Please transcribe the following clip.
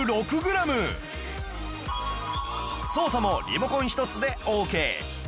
操作もリモコン一つでオーケー